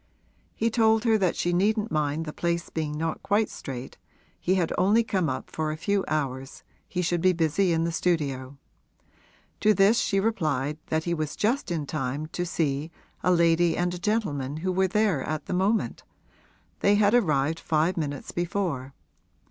He told her that she needn't mind the place being not quite straight, he had only come up for a few hours he should be busy in the studio. To this she replied that he was just in time to see a lady and a gentleman who were there at the moment they had arrived five minutes before.